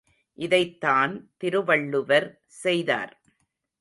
இதைத்தான் திருவள்ளுவர் செய்தார்.